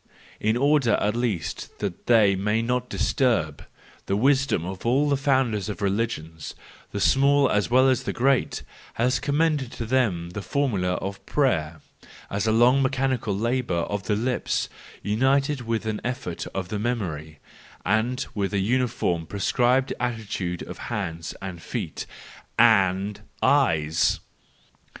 In order at least that they may not dis¬ turb y the wisdom of all the founders of religions, the small as well as the great, has commended to them the formula of prayer, as a long mechanical labour of the lips, united with an effort of the memory, and with a uniform, prescribed attitude of hands and feet —and eyes!